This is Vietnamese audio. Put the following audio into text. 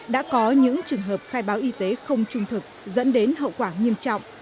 đã có những trường hợp khai báo y tế không trung thực dẫn đến hậu quả nghiêm trọng